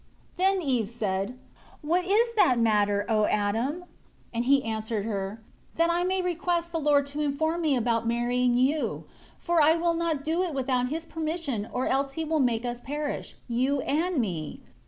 18 Then Eve said, "What is that matter, O Adam?" 19 And he answered her, "That I may request the Lord to inform me about marrying you; for I will not do it without His permission or else He will make us perish, you and me.